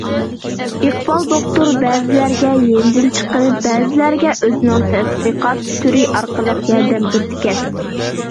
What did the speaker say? ئىقبال دوختۇر بەزىلەرگە يېنىدىن چىقىرىپ، بەزىلەرگە ئۆزىنىڭ تەتقىقات تۈرى ئارقىلىق ياردەم بېرىدىكەن.